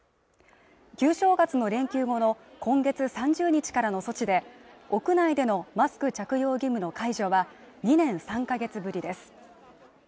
旧正月の連休後の今月３０日からの措置で屋内でのマスク着用義務の解除は２年３か月ぶりです